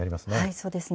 そうですね。